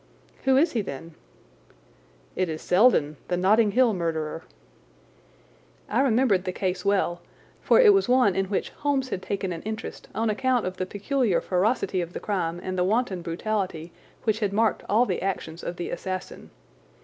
"Who is he, then?" "It is Selden, the Notting Hill murderer." I remembered the case well, for it was one in which Holmes had taken an interest on account of the peculiar ferocity of the crime and the wanton brutality which had marked all the actions of the assassin.